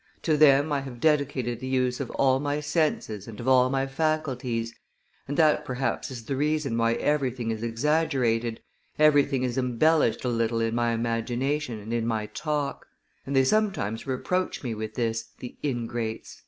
To them I have dedicated the use of all my senses and of all my faculties, and that perhaps is the reason why everything is exaggerated, everything is embellished a little in my imagination and in my talk; and they sometimes reproach me with this, the ingrates!"